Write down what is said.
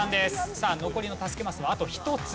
さあ残りの助けマスはあと１つ。